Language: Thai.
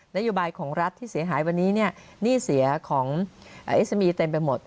นโยบายของรัฐที่เสียหายวันนี้เนี่ยหนี้เสียของเอสมีเต็มไปหมด